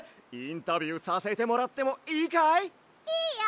インタビューさせてもらってもいいかい？